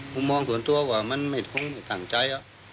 มุมมองส่วนตัวว่ามันไม่พึงต่างใจ